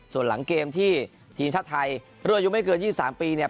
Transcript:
ส่วนหลังเกมที่ทีมชาติไทยรุ่นอายุไม่เกิน๒๓ปีเนี่ย